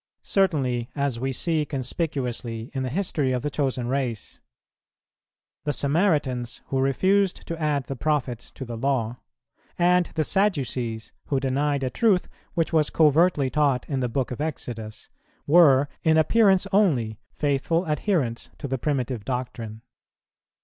Certainly: as we see conspicuously in the history of the chosen race. The Samaritans who refused to add the Prophets to the Law, and the Sadducees who denied a truth which was covertly taught in the Book of Exodus, were in appearance only faithful adherents to the primitive doctrine.